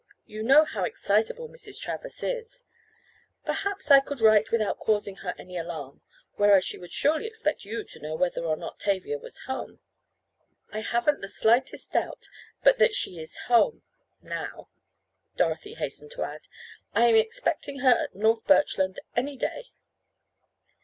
You know how excitable Mrs. Travers is. Perhaps I could write without causing her any alarm, whereas she would surely expect you to know whether or not Tavia was home. I haven't the slightest doubt but that she is home—now," Dorothy hastened to add. "I am expecting her at North Birchland any day."